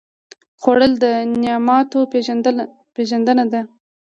خوړل د نعماتو پېژندنه ده